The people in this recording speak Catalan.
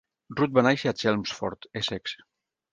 Root va néixer a Chelmsford, Essex.